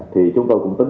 thì chúng tôi cũng tính